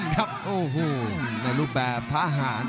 รับทราบบรรดาศักดิ์